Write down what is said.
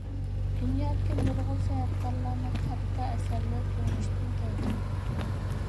دۇنيادىكى نۇرغۇن سەنئەتكارلارنىڭ كاتتا ئەسەرلىرى تۇرمۇشتىن كەلگەن.